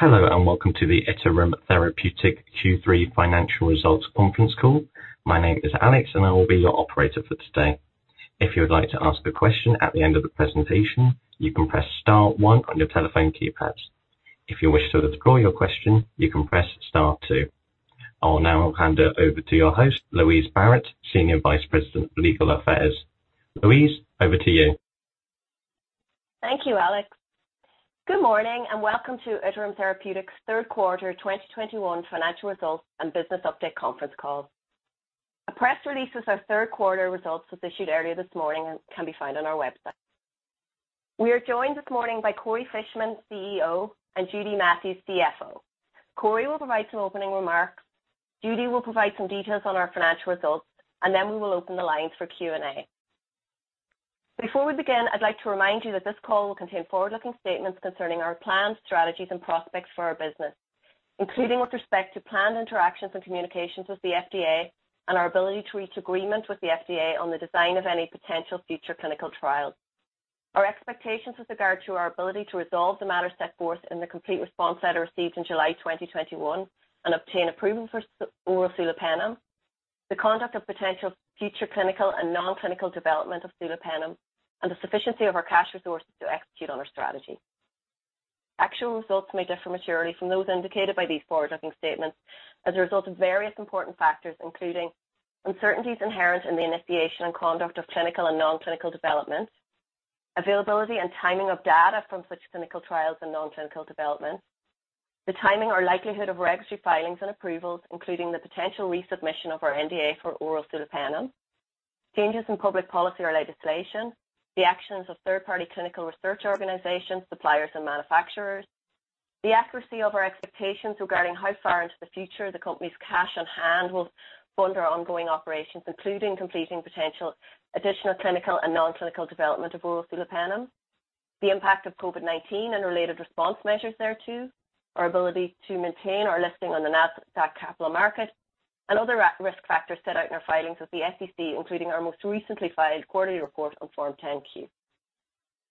Hello, and welcome to the Iterum Therapeutics Q3 financial results conference call. My name is Alex, and I will be your operator for today. If you would like to ask a question at the end of the presentation, you can press star one on your telephone keypads. If you wish to withdraw your question, you can press star two. I will now hand it over to your host, Louise Barrett, Senior Vice President, Legal Affairs. Louise, over to you. Thank you, Alex. Good morning, and welcome to Iterum Therapeutics third quarter 2021 financial results and business update conference call. A press release with our third quarter results was issued earlier this morning and can be found on our website. We are joined this morning by Corey Fishman, CEO, and Judy Matthews, CFO. Corey will provide some opening remarks. Judy will provide some details on our financial results, and then we will open the lines for Q&A. Before we begin, I'd like to remind you that this call will contain forward-looking statements concerning our plans, strategies, and prospects for our business, including with respect to planned interactions and communications with the FDA and our ability to reach agreement with the FDA on the design of any potential future clinical trials. Our expectations with regard to our ability to resolve the matters set forth in the complete response letter received in July 2021 and obtain approval for oral sulopenem, the conduct of potential future clinical and non-clinical development of sulopenem, and the sufficiency of our cash resources to execute on our strategy. Actual results may differ materially from those indicated by these forward-looking statements as a result of various important factors, including uncertainties inherent in the initiation and conduct of clinical and non-clinical developments, availability and timing of data from such clinical trials and non-clinical developments, the timing or likelihood of regulatory filings and approvals, including the potential resubmission of our NDA for oral sulopenem, changes in public policy or legislation, the actions of third-party clinical research organizations, suppliers, and manufacturers. The accuracy of our expectations regarding how far into the future the company's cash on hand will fund our ongoing operations, including completing potential additional clinical and non-clinical development of oral sulopenem. The impact of COVID-19 and related response measures thereto, our ability to maintain our listing on the Nasdaq Capital Market and other risk factors set out in our filings with the SEC, including our most recently filed quarterly report on Form 10-Q.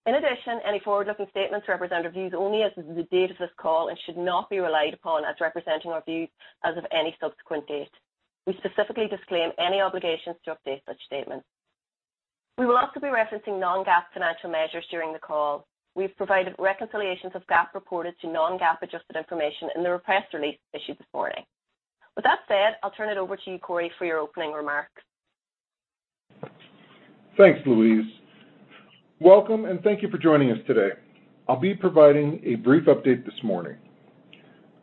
In addition, any forward-looking statements represent our views only as of the date of this call and should not be relied upon as representing our views as of any subsequent date. We specifically disclaim any obligations to update such statements. We will also be referencing non-GAAP financial measures during the call. We've provided reconciliations of GAAP reported to non-GAAP adjusted information in the press release issued this morning. With that said, I'll turn it over to you, Corey, for your opening remarks. Thanks, Louise. Welcome, and thank you for joining us today. I'll be providing a brief update this morning.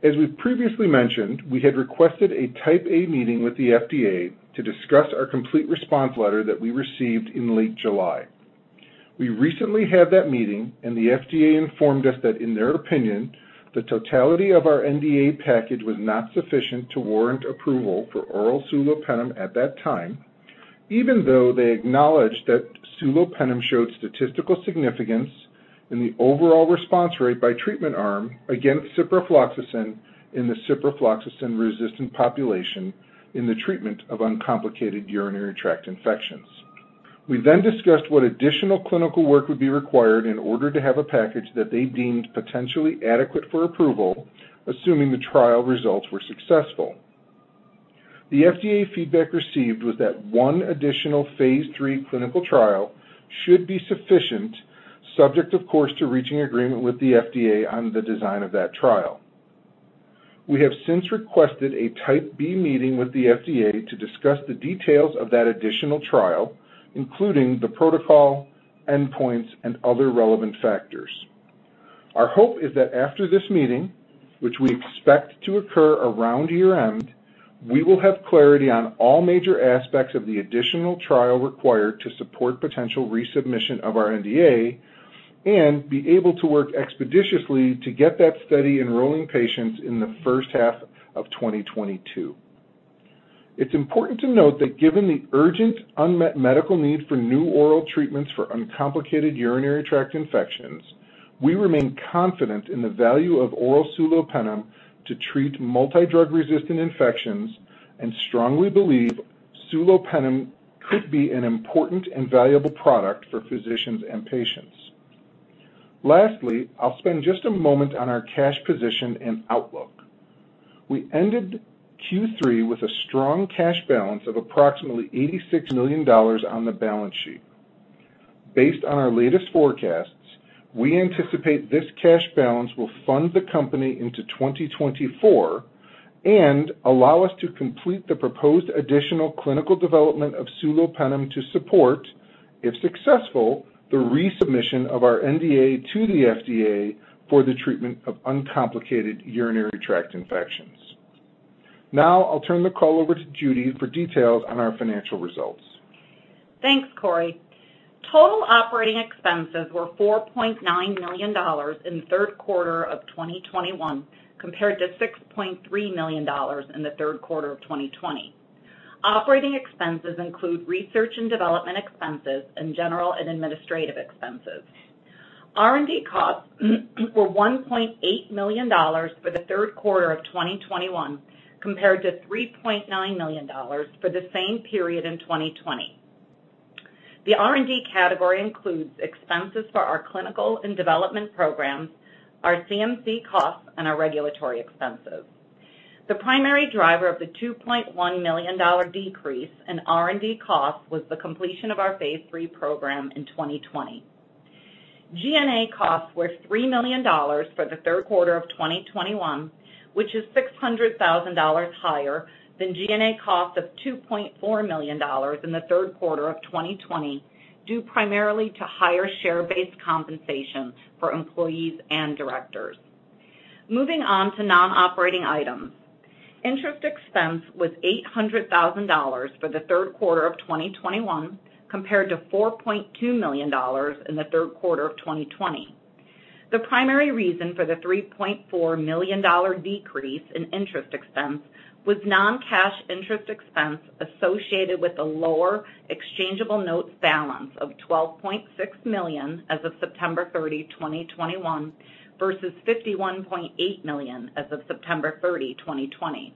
As we've previously mentioned, we had requested a Type A meeting with the FDA to discuss our complete response letter that we received in late July. We recently had that meeting, and the FDA informed us that, in their opinion, the totality of our NDA package was not sufficient to warrant approval for oral sulopenem at that time, even though they acknowledged that sulopenem showed statistical significance in the overall response rate by treatment arm against ciprofloxacin in the ciprofloxacin-resistant population in the treatment of uncomplicated urinary tract infections. We then discussed what additional clinical work would be required in order to have a package that they deemed potentially adequate for approval, assuming the trial results were successful. The FDA feedback received was that one additional phase III clinical trial should be sufficient, subject, of course, to reaching agreement with the FDA on the design of that trial. We have since requested a Type B meeting with the FDA to discuss the details of that additional trial, including the protocol, endpoints, and other relevant factors. Our hope is that after this meeting, which we expect to occur around year-end, we will have clarity on all major aspects of the additional trial required to support potential resubmission of our NDA and be able to work expeditiously to get that study enrolling patients in the first half of 2022. It's important to note that given the urgent unmet medical need for new oral treatments for uncomplicated urinary tract infections, we remain confident in the value of oral sulopenem to treat multi-drug resistant infections and strongly believe sulopenem could be an important and valuable product for physicians and patients. Lastly, I'll spend just a moment on our cash position and outlook. We ended Q3 with a strong cash balance of approximately $86 million on the balance sheet. Based on our latest forecasts, we anticipate this cash balance will fund the company into 2024 and allow us to complete the proposed additional clinical development of sulopenem to support, if successful, the resubmission of our NDA to the FDA for the treatment of uncomplicated urinary tract infections. Now, I'll turn the call over to Judy for details on our financial results. Thanks, Corey. Total operating expenses were $4.9 million in the third quarter of 2021, compared to $6.3 million in the third quarter of 2020. Operating expenses include research and development expenses, and general and administrative expenses. R&D costs were $1.8 million for the third quarter of 2021, compared to $3.9 million for the same period in 2020. The R&D category includes expenses for our clinical and development programs, our CMC costs, and our regulatory expenses. The primary driver of the $2.1 million decrease in R&D costs was the completion of our phase III program in 2020. G&A costs were $3 million for the third quarter of 2021, which is $600,000 higher than G&A cost of $2.4 million in the third quarter of 2020, due primarily to higher share-based compensation for employees and directors. Moving on to non-operating items. Interest expense was $800,000 for the third quarter of 2021, compared to $4.2 million in the third quarter of 2020. The primary reason for the $3.4 million decrease in interest expense was non-cash interest expense associated with the lower exchangeable notes balance of $12.6 million as of September 30, 2021 versus $51.8 million as of September 30, 2020.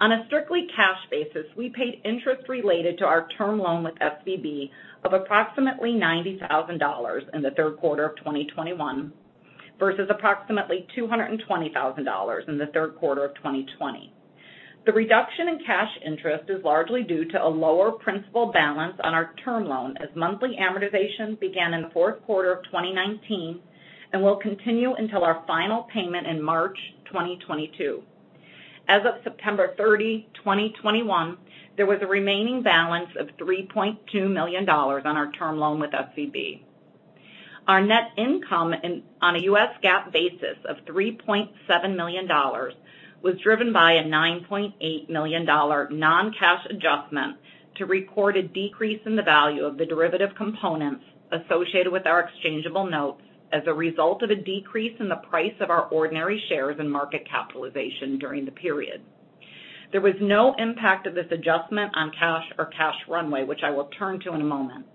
On a strictly cash basis, we paid interest related to our term loan with SVB of approximately $90,000 in the third quarter of 2021 versus approximately $220,000 in the third quarter of 2020. The reduction in cash interest is largely due to a lower principal balance on our term loan as monthly amortization began in the fourth quarter of 2019 and will continue until our final payment in March 2022. As of September 30, 2021, there was a remaining balance of $3.2 million on our term loan with SVB. Our net income on a U.S. GAAP basis of $3.7 million was driven by a $9.8 million non-cash adjustment to record a decrease in the value of the derivative components associated with our exchangeable notes as a result of a decrease in the price of our ordinary shares and market capitalization during the period. There was no impact of this adjustment on cash or cash runway, which I will turn to in a moment.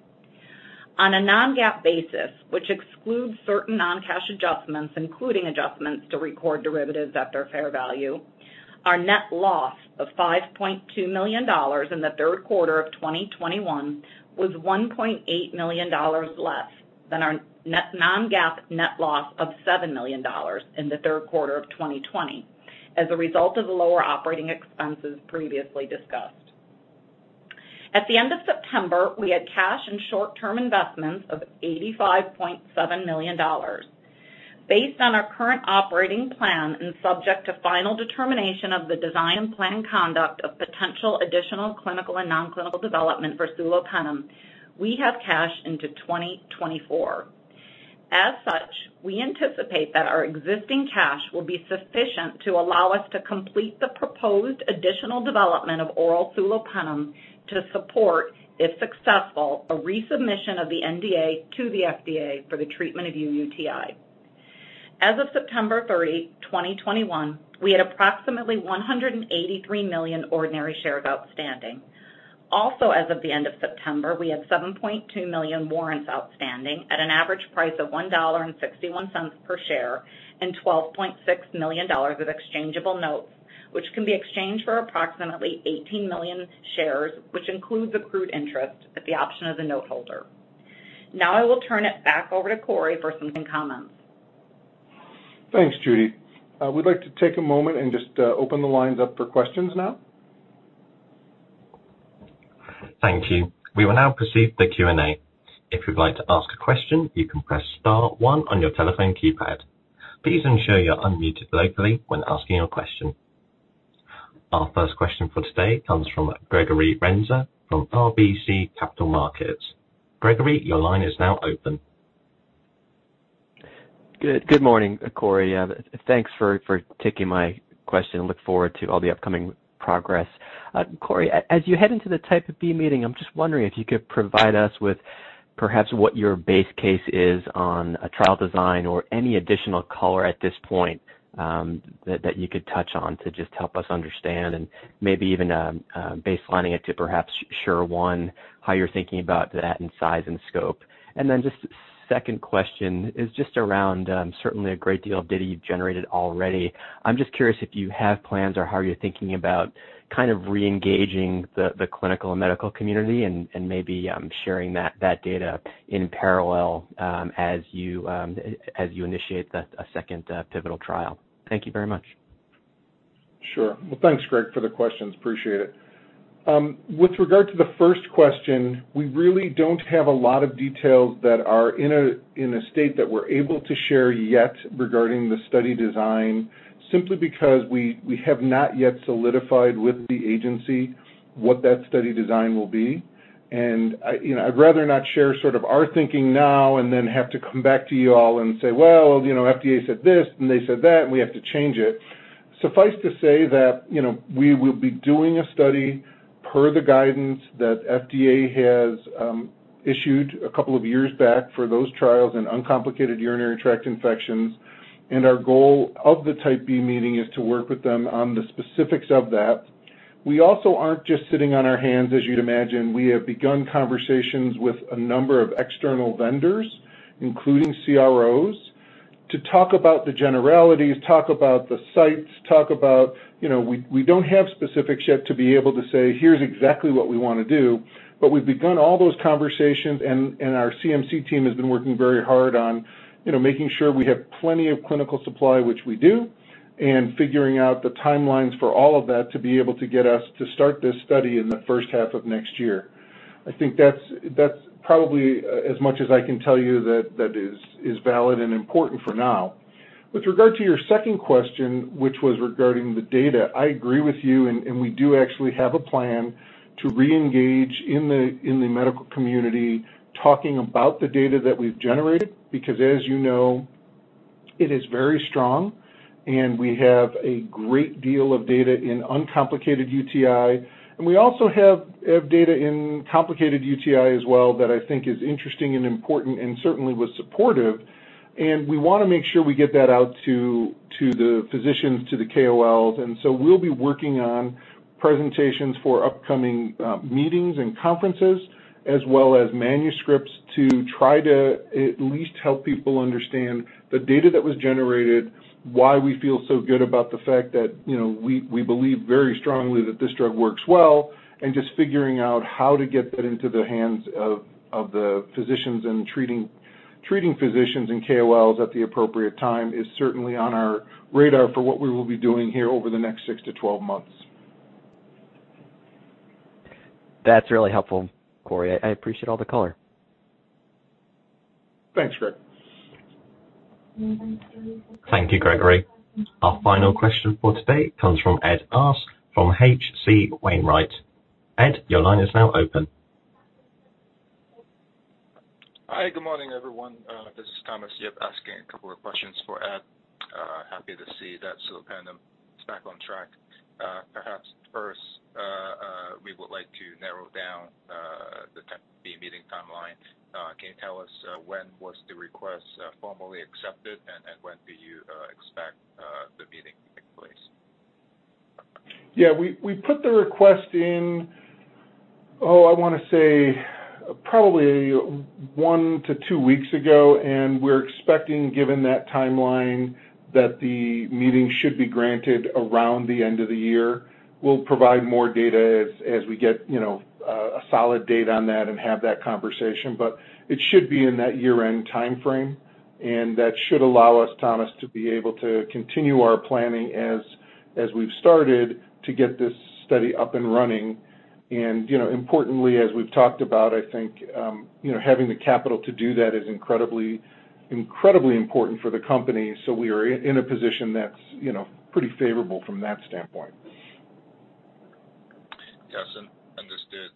On a non-GAAP basis, which excludes certain non-cash adjustments, including adjustments to record derivatives at their fair value, our net loss of $5.2 million in the third quarter of 2021 was $1.8 million less than our non-GAAP net loss of $7 million in the third quarter of 2020 as a result of the lower operating expenses previously discussed. At the end of September, we had cash and short-term investments of $85.7 million. Based on our current operating plan and subject to final determination of the design and planned conduct of potential additional clinical and non-clinical development for sulopenem, we have cash into 2024. As such, we anticipate that our existing cash will be sufficient to allow us to complete the proposed additional development of oral sulopenem to support, if successful, a resubmission of the NDA to the FDA for the treatment of uUTI. As of September 30, 2021, we had approximately 183 million ordinary shares outstanding. Also, as of the end of September, we had 7.2 million warrants outstanding at an average price of $1.61 per share, and $12.6 million of exchangeable notes, which can be exchanged for approximately 18 million shares, which includes accrued interest at the option of the note holder. Now I will turn it back over to Corey for some comments. Thanks, Judy. We'd like to take a moment and just open the lines up for questions now. Thank you. We will now proceed to Q&A. If you'd like to ask a question, you can press star one on your telephone keypad. Please ensure you're unmuted locally when asking your question. Our first question for today comes from Gregory Renza from RBC Capital Markets. Gregory, your line is now open. Good morning, Corey. Thanks for taking my question. I look forward to all the upcoming progress. Corey, as you head into the Type B meeting, I'm just wondering if you could provide us with perhaps what your base case is on a trial design or any additional color at this point that you could touch on to just help us understand and maybe even baselining it to perhaps SURE 1, how you're thinking about that in size and scope. Then just second question is just around certainly a great deal of data you've generated already. I'm just curious if you have plans or how you're thinking about kind of re-engaging the clinical and medical community and maybe sharing that data in parallel as you initiate a second pivotal trial. Thank you very much. Sure. Well, thanks, Greg, for the questions. Appreciate it. With regard to the first question, we really don't have a lot of details that are in a state that we're able to share yet regarding the study design, simply because we have not yet solidified with the agency what that study design will be. You know, I'd rather not share sort of our thinking now and then have to come back to you all and say, "Well, you know, FDA said this, and they said that, and we have to change it." Suffice to say that, you know, we will be doing a study per the guidance that FDA has issued a couple of years back for those trials in uncomplicated urinary tract infections. Our goal of the Type B meeting is to work with them on the specifics of that. We also aren't just sitting on our hands, as you'd imagine. We have begun conversations with a number of external vendors, including CROs to talk about the generalities, talk about the sites, talk about, you know, we don't have specifics yet to be able to say, "Here's exactly what we wanna do." But we've begun all those conversations and our CMC team has been working very hard on, you know, making sure we have plenty of clinical supply, which we do, and figuring out the timelines for all of that to be able to get us to start this study in the first half of next year. I think that's probably as much as I can tell you that is valid and important for now. With regard to your second question, which was regarding the data, I agree with you, and we do actually have a plan to re-engage in the medical community talking about the data that we've generated. Because as you know, it is very strong, and we have a great deal of data in uncomplicated UTI. We also have data in complicated UTI as well that I think is interesting and important and certainly was supportive. We wanna make sure we get that out to the physicians, to the KOLs. We'll be working on presentations for upcoming meetings and conferences as well as manuscripts to try to at least help people understand the data that was generated, why we feel so good about the fact that, you know, we believe very strongly that this drug works well, and just figuring out how to get that into the hands of the physicians and treating physicians and KOLs at the appropriate time is certainly on our radar for what we will be doing here over the next six to 12 months. That's really helpful, Corey. I appreciate all the color. Thanks, Greg. Thank you, Gregory. Our final question for today comes from Ed Arce from H.C. Wainwright. Ed, your line is now open. Hi, good morning, everyone. This is Thomas Yip asking a couple of questions for Ed. Happy to see that sulopenem is back on track. Perhaps first, we would like to narrow down the Type B meeting timeline. Can you tell us when was the request formally accepted and when do you expect the meeting to take place? Yeah. We put the request in. Oh, I wanna say probably one to two weeks ago, and we're expecting, given that timeline, that the meeting should be granted around the end of the year. We'll provide more data as we get, you know, a solid date on that and have that conversation, but it should be in that year-end timeframe, and that should allow us, Thomas, to be able to continue our planning as we've started to get this study up and running. You know, importantly, as we've talked about, I think, you know, having the capital to do that is incredibly important for the company, so we are in a position that's, you know, pretty favorable from that standpoint. Yes, understood.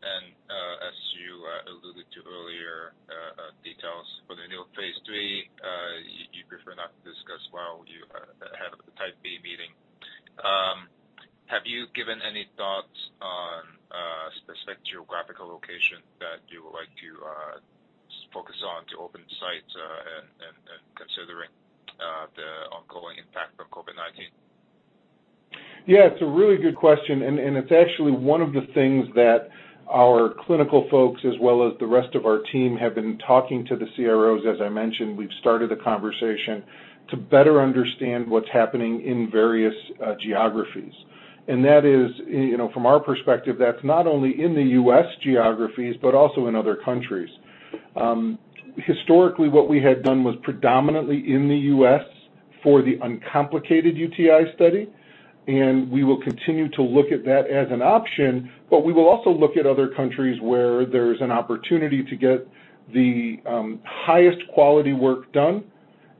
As you alluded to earlier, details for the new phase III, you prefer not to discuss while you have the Type B meeting. Have you given any thoughts on specific geographical location that you would like to focus on to open sites, and considering the ongoing impact of COVID-19? Yeah, it's a really good question, and it's actually one of the things that our clinical folks as well as the rest of our team have been talking to the CROs. As I mentioned, we've started the conversation to better understand what's happening in various geographies. That is, you know, from our perspective, that's not only in the U.S. geographies, but also in other countries. Historically, what we had done was predominantly in the U.S. for the uncomplicated UTI study, and we will continue to look at that as an option, but we will also look at other countries where there's an opportunity to get the highest quality work done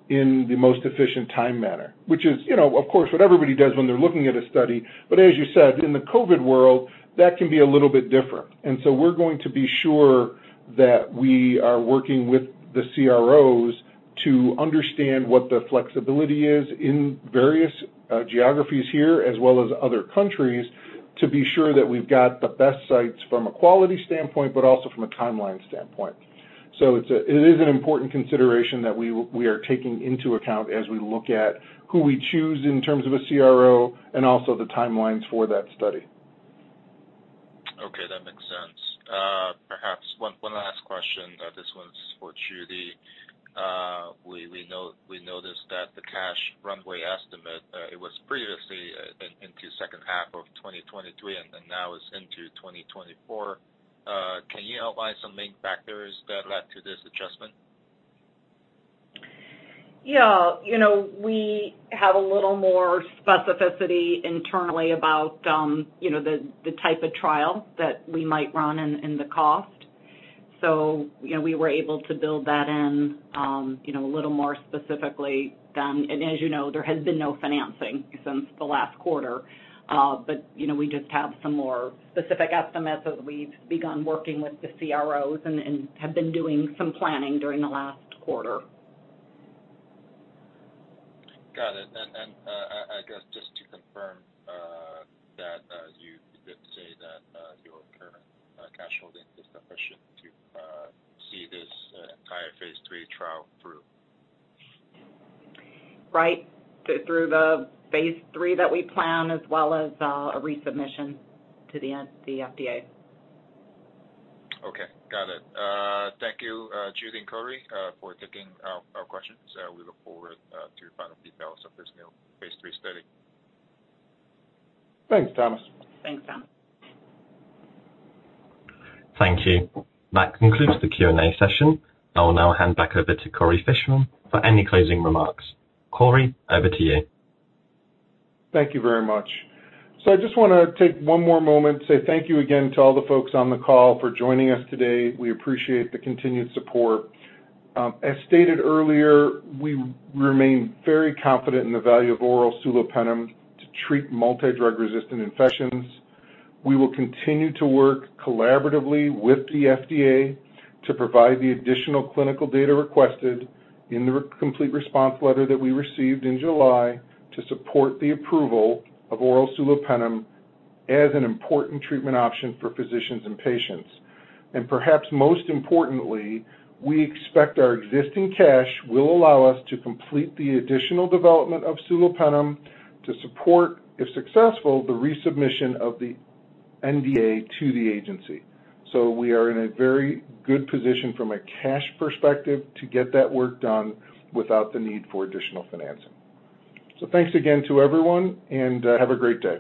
in the most efficient time manner. Which is, you know, of course, what everybody does when they're looking at a study. As you said, in the COVID world, that can be a little bit different. We're going to be sure that we are working with the CROs to understand what the flexibility is in various geographies here as well as other countries to be sure that we've got the best sites from a quality standpoint, but also from a timeline standpoint. It is an important consideration that we are taking into account as we look at who we choose in terms of a CRO and also the timelines for that study. Okay, that makes sense. Perhaps one last question. This one's for Judy. We noticed that the cash runway estimate, it was previously into second half of 2023, and then now it's into 2024. Can you outline some main factors that led to this adjustment? Yeah. You know, we have a little more specificity internally about, you know, the type of trial that we might run and the cost. You know, we were able to build that in, you know, a little more specifically than. As you know, there has been no financing since the last quarter. You know, we just have some more specific estimates as we've begun working with the CROs and have been doing some planning during the last quarter. Got it. I guess just to confirm that you did say that your current cash holding is sufficient to see this entire phase III trial through? Right. Through the phase III that we plan, as well as a resubmission to the FDA. Okay. Got it. Thank you, Judy and Corey, for taking our questions. We look forward to your final details of this new phase III study. Thanks, Thomas. Thanks, Thomas. Thank you. That concludes the Q&A session. I will now hand back over to Corey Fishman for any closing remarks. Corey, over to you. Thank you very much. I just wanna take one more moment to say thank you again to all the folks on the call for joining us today. We appreciate the continued support. As stated earlier, we remain very confident in the value of oral sulopenem to treat multidrug-resistant infections. We will continue to work collaboratively with the FDA to provide the additional clinical data requested in the complete response letter that we received in July to support the approval of oral sulopenem as an important treatment option for physicians and patients. Perhaps most importantly, we expect our existing cash will allow us to complete the additional development of sulopenem to support, if successful, the resubmission of the NDA to the agency. We are in a very good position from a cash perspective to get that work done without the need for additional financing. Thanks again to everyone, and have a great day.